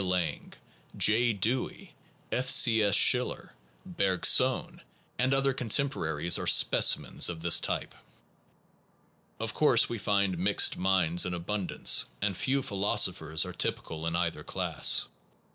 Lange, J. Dewey, F. C. S. Schiller, Bergson, and other contemporaries are speci mens of this type. Of course we find mixed minds in abundance, and few philosophers are typical in either class.